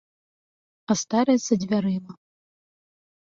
А старасць за дзвярыма.